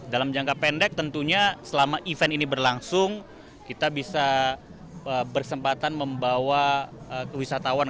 dalam jangka pendek tentunya selama event ini berlangsung kita bisa bersempatan membawa wisatawan